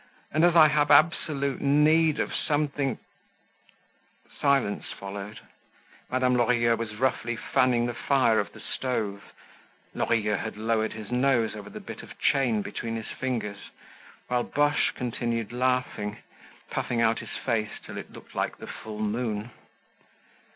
And as I have absolute need of something—" Silence followed. Madame Lorilleux was roughly fanning the fire of the stove; Lorilleux had lowered his nose over the bit of chain between his fingers, while Boche continued laughing, puffing out his face till it looked like the full moon.